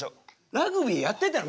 ラグビーやってたんやろ？